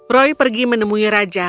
roy pergi menemui raja